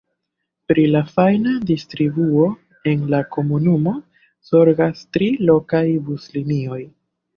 Pri la fajna distribuo en la komunumo zorgas tri lokaj buslinioj.